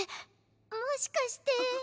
もしかして。